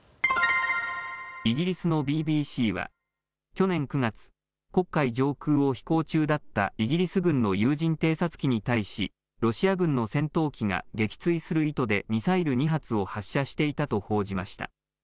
イギリスのＢＢＣは去年９月、黒海上空を飛行中だったイギリス軍の有人偵察機に対しロシア軍の戦闘機が撃墜する意図でミサイル２発を発射していたと報じました。